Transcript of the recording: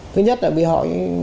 thứ nhất là vì họ